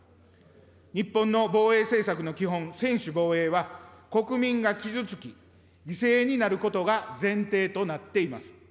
日本の防衛政策の基本、専守防衛は、国民が傷つき、犠牲になることが前提となっています。